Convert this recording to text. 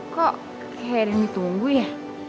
kok kayak ada yang ditunggu ya